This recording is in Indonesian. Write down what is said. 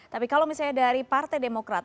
tapi kalau misalnya dari partai demokrat